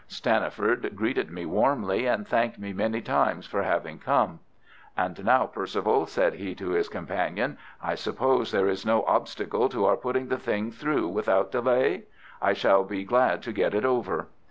Stanniford greeted me warmly, and thanked me many times for having come. "And now, Perceval," said he to his companion, "I suppose there is no obstacle to our putting the thing through without delay? I shall be glad to get it over."